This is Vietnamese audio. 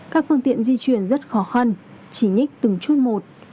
các phương tiện di chuyển rất khó khăn chỉ nhích từng chút một